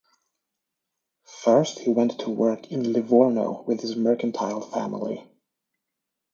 First he went to work in Livorno with his mercantile family.